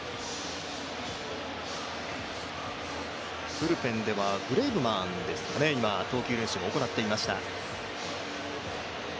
ブルペンではグレイブマンが投球練習を行っていました。